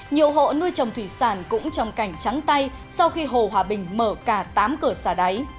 nhiều hộ nuôi trồng thủy sản cũng trong cảnh trắng tay sau khi hồ hòa bình mở cả tám cửa xả đáy